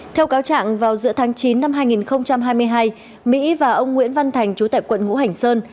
theo cáo trạng vào giữa tháng chín năm hai nghìn hai mươi hai mỹ và ông nguyễn văn thành chú tại quận ngũ hành sơn